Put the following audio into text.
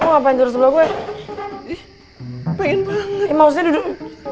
ngapain terus belok gue pengen banget mau duduk